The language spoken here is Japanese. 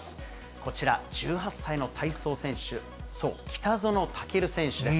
こちら、１８歳の体操選手、そう、北園丈琉選手です。